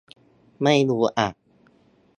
ไม่รู้อะ